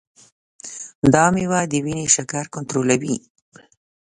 دا مېوه د وینې شکر کنټرولوي.